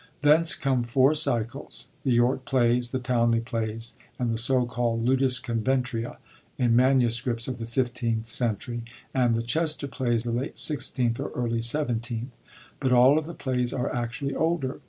Thence come four cycles — ^the York Plays, the Towneley Plays, and the so called Ladua Covenvtria^ in MSS. of the 15th century ; and the Chester Plays of late 16th or early 17th ; but all of the plays are actually older.